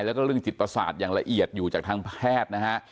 แล้วก็เรื่องจิตประสาทอย่างละเอียดอยู่จากทางแพทย์นะฮะ